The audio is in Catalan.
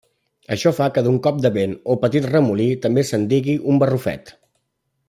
Això fa que d'un cop de vent o petit remolí també se'n digui un barrufet.